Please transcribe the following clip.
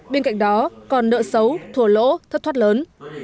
bên cạnh đó còn nợ xấu thùa lỗ thất thoát lớn